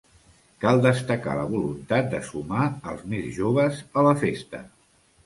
Cal destacar la voluntat de sumar els més joves a la festa.